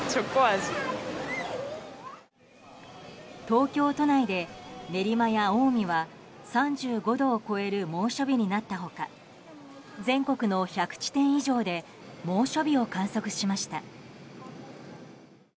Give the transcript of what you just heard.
東京都内で練馬や青梅は３５度を超える猛暑日になった他全国の１００地点以上で猛暑日を観測しました。